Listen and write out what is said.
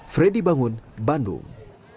freddy bangun bandung